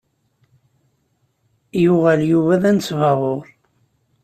Yuɣal Yuba d anesbaɣur.